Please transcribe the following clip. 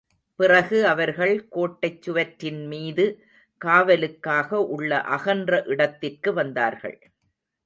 பிறகு அவர்கள் கோட்டைச் சுவற்றின்மீது காவலுக்காக உள்ள அகன்ற இடத்திற்கு வந்தார்கள்.